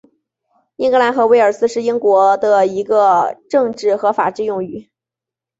英格兰和威尔斯是英国的一个政治和法律用语。